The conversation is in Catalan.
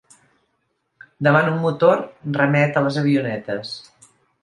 Davant un motor remet a les avionetes.